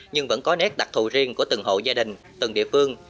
nhưng vẫn có nét đặc thù riêng của từng hộ gia đình từng địa phương